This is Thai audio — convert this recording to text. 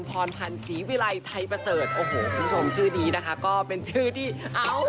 พรพันธ์ศรีวิรัยไทยประเสริฐโอ้โหคุณผู้ชมชื่อนี้นะคะก็เป็นชื่อที่เอา